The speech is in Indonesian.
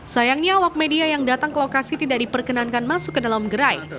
sayangnya awak media yang datang ke lokasi tidak diperkenankan masuk ke dalam gerai